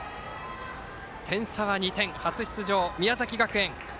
点差は２点、初出場の宮崎学園。